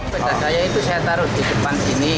sepeda daya itu saya taruh di depan sini